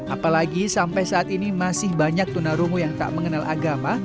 apalagi sampai saat ini masih banyak tunarungu yang tak mengenal agama